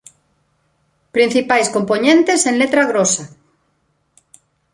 Principais compoñentes en letra grosa.